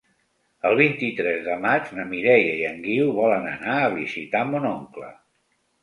El vint-i-tres de maig na Mireia i en Guiu volen anar a visitar mon oncle.